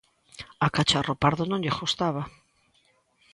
A Cacharro Pardo non lle gustaba.